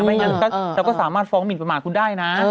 อย่างนั้นเราก็สามารถฟ้องหมินประมาทคุณได้นะ